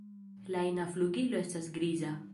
La ina flugilo estas griza.